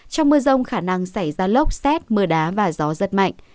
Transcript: trong mưa rồng khả năng xảy ra lốc xét mưa đá và gió rất mạnh